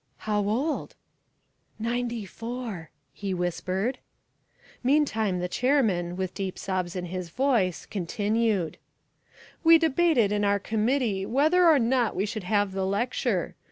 "How old?" "Ninety four," he whispered. Meantime the chairman, with deep sobs in his voice, continued: "We debated in our committee whether or not we should have the lecture.